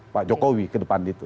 pak jokowi ke depan itu